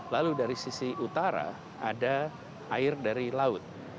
lalu dari sisi utara ada air dari laut